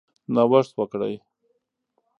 نوښت وکړئ.